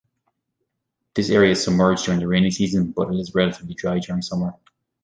This area is submerged during the rainy season but is relatively dry during summer.